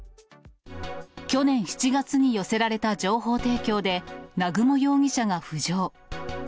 去年７月に寄せられた情報提供で、南雲容疑者が浮上。